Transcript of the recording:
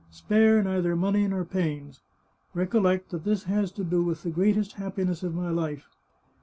Spare neither money nor pains. Recollect that this has to do with the greatest happi ness of my life.